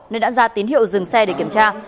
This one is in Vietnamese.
nên đã ra tín hiệu dừng xe để kiểm tra